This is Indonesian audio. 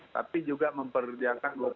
tapi juga memperlihatkan